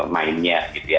mainnya gitu ya